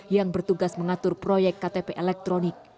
yang bertugas mengatur proyek ktplm